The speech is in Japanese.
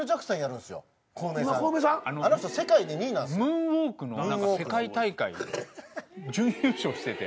ムーンウォークの世界大会準優勝してて。